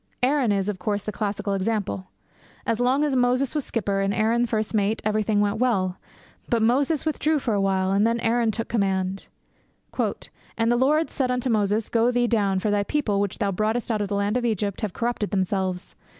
Aaron is, of course, the classical example. As long as Moses was skipper, and Aaron first mate, everything went well. But Moses withdrew for awhile, and then Aaron took command. 'And the Lord said unto Moses, Go, get thee down; for thy people, which thou broughtest out of the land of Egypt, have corrupted themselves.